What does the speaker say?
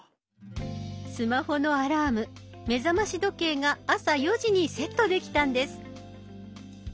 スマホのアラーム目覚まし時計が朝４時にセットできたんです。